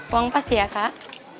uang pas ya kak